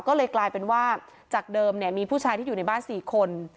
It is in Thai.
ก็เลยกลายเป็นว่าจากเดิมเนี่ยมีผู้ชายที่อยู่ในบ้าน๔คน